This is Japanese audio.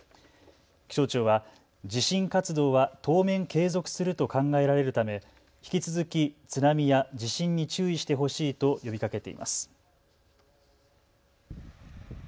気象庁は地震活動は当面継続すると考えられるため引き続き津波や地震に注意してほしいと呼びかけています。